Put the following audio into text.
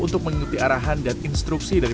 untuk mengikuti arahan dan instruksi dari